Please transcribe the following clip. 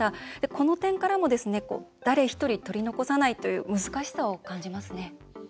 この点からも、誰一人取り残さないという難しさを感じますね。